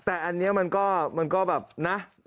แต่อันนี้มันก็แบบนะ